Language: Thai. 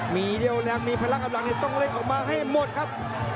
มีเพลงที่ต้องเข้ามาให้หมดครับ